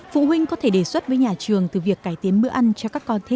phụ huynh có thể đề xuất với nhà trường từ việc cải tiến bữa ăn cho các con thích